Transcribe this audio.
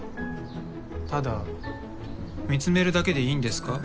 ただ見つめるだけでいいんですか？